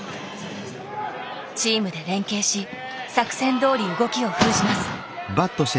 チームで連携し作戦どおり動きを封じます。